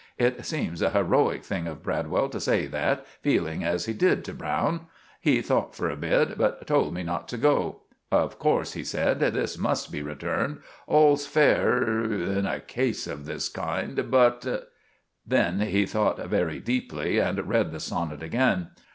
It seemed a heroik thing of Bradwell to say that, feeling as he did to Browne. He thought for a bit, but told me not to go. "Of corse," he said, "this must be returned. All's fair in in a case of this kind, but " Then he thought very deeply and read the sonnit again.